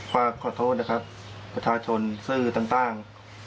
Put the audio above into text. ขอโทษนะครับประชาชนสื่อต่าง